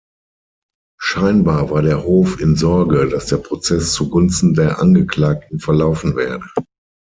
Scheinbar war der Hof in Sorge, dass der Prozess zugunsten der Angeklagten verlaufen werde.